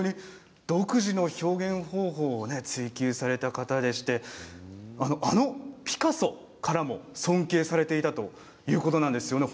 独自の表現方法を追求された方でしてあのピカソからも尊敬されていたということなんですよね。